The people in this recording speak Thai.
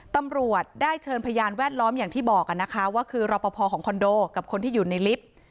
ตำรวจได้เชิญพยานแวดล้อมอย่างที่บอกนะคะว่าคือรอปภของคอนโดกับคนที่อยู่ในลิฟต์